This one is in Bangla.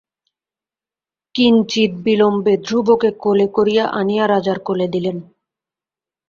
কিঞ্চিৎ বিলম্বে ধ্রুবকে কোলে করিয়া আনিয়া রাজার কোলে দিলেন।